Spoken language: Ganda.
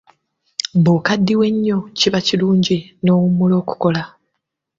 Bw'okaddiwa ennyo kiba kirungi n'owummula okukola.